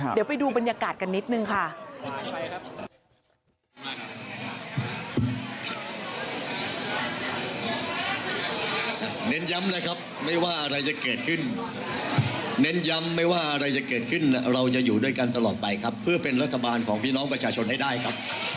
เดี๋ยวไปดูบรรยากาศกันนิดนึงค่ะ